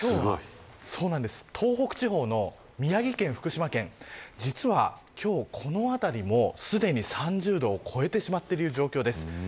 東北地方の宮城県、福島県実は今日、この辺りもすでに３０度を超えてしまっている状況です。